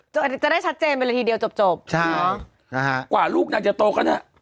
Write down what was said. จะได้ชัดเจนเป็นละทีเดียวจบช้าอ่าฮะกว่ารูปนักอย่าโตก็เนี้ย